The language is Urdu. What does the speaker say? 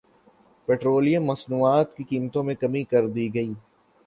پٹرولیم مصنوعات کی قیمتوں میں کمی کردی گئی